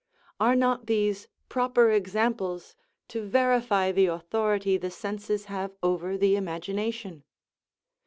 Are not these proper examples to verify the authority the senses have over the imagination?